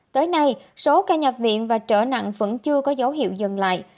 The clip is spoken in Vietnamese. tới nay số ca nhập viện và trở nặng vẫn chưa có dấu hiệu dừng lại